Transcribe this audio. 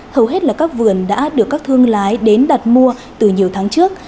hầu hết là các vườn đã được các thương lái đến đặt mua từ nhiều tháng trước